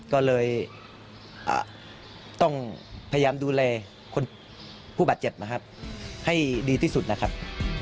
ก็เลยต้องพยายามดูแลคนผู้บาดเจ็บนะครับให้ดีที่สุดนะครับ